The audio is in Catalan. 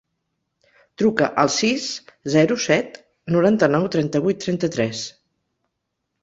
Truca al sis, zero, set, noranta-nou, trenta-vuit, trenta-tres.